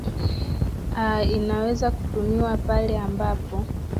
a inaweza kutumiwa pale ambapo